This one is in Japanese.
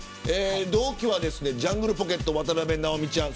同期はジャングルポケット渡辺直美ちゃん